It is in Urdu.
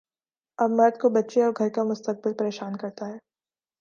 اب مرد کو بچے اور گھر کا مستقبل پریشان کرتا ہے۔